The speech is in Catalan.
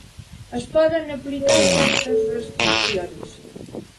Es poden aplicar certes restriccions.